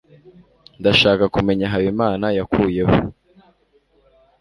ndashaka kumenya habimana yakuyeho